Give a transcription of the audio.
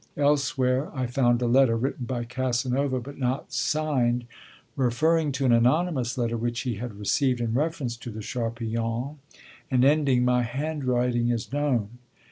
Elsewhere, I found a letter written by Casanova, but not signed, referring to an anonymous letter which he had received in reference to the Charpillons, and ending: 'My handwriting is known.'